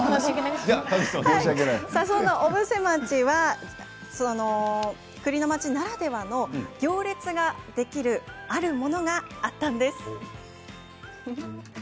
小布施町は栗の町ならではの行列ができるあるものがあったんです。